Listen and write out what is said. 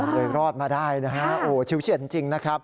เลยรอดมาได้นะฮะโอ้ชิวเฉียดจริงนะครับ